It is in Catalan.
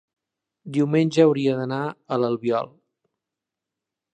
diumenge hauria d'anar a l'Albiol.